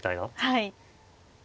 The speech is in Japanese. はい。